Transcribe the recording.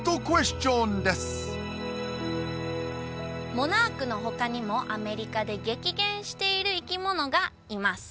モナークの他にもアメリカで激減している生き物がいます